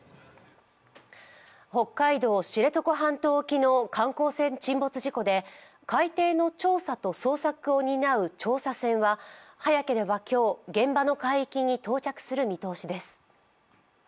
北海道・知床半島沖の観光船沈没事故で海底の調査と捜索を担う調査船は早ければ今日、現場の海域に到着する見通しです。